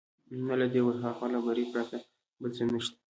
نه له دې ورهاخوا، له بري پرته بل څه نشته.